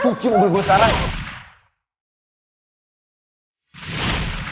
cuci mobil gue sekarang